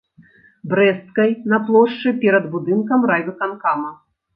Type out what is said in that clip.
Брэсцкай, на плошчы перад будынкам райвыканкама.